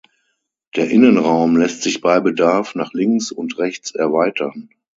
Der Innenraum lässt sich bei Bedarf nach links und rechts erweitern.